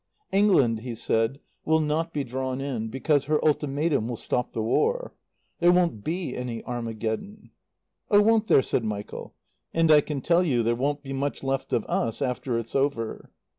"England," he said, "will not be drawn in, because her ultimatum will stop the War. There won't be any Armageddon." "Oh, won't there!" said Michael. "And I can tell you there won't be much left of us after it's over."